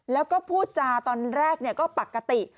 แล้วก็พูดจาตอนแรกก็ปกติ